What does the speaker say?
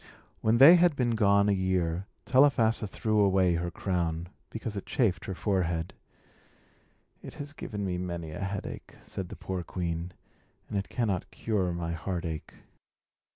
When they had been gone a year, Telephassa threw away her crown, because it chafed her forehead. "It has given me many a headache," said the poor queen, "and it cannot cure my heartache."